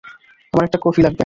আমার একটা কফি লাগবে।